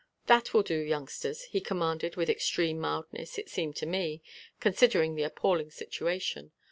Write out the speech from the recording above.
"That will do, youngsters," he commanded with extreme mildness it seemed to me, considering the appalling situation.